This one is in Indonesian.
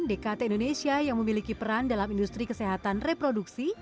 dkt indonesia yang memiliki peran dalam industri kesehatan reproduksi